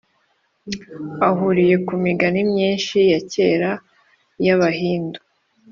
ahuriye ku migani myinshi ya kera y’abahindu.